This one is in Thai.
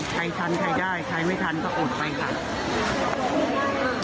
ทันใครได้ใครไม่ทันก็อดไปค่ะ